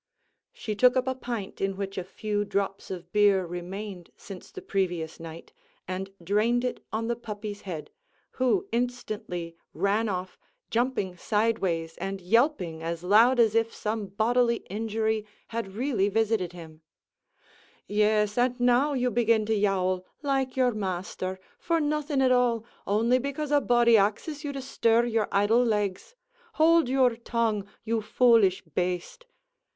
she took up a pint in which a few drops of beer remained since the previous night, and drained it on the puppy's head, who instantly ran off, jumping sideways, and yelping as loud as if some bodily injury had really visited him "Yes, an' now you begin to yowl, like your masther, for nothing at all, only because a body axes you to stir your idle legs hould your tongue, you foolish baste!"